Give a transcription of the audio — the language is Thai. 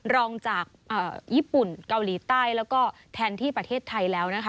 รองจากญี่ปุ่นเกาหลีใต้แล้วก็แทนที่ประเทศไทยแล้วนะคะ